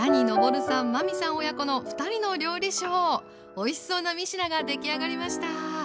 おいしそうな３品が出来上がりました。